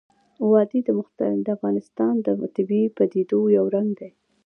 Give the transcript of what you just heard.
وادي د افغانستان د طبیعي پدیدو یو رنګ دی.